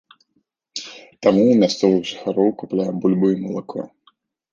Таму ў мясцовых жыхароў купляем бульбу і малако.